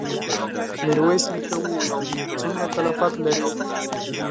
ميرويس نيکه وويل: څومره تلفات لرې؟